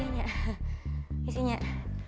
iya nek iya sih nek